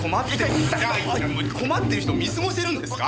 困ってる人見過ごせるんですか？